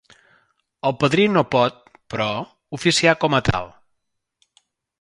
El padrí no pot, però, oficiar com a tal.